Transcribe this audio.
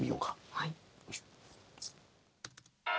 はい。